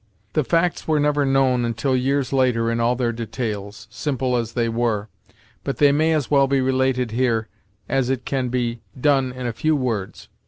The facts were never known until years later in all their details, simple as they were, but they may as well be related here, as it can be done in a few words.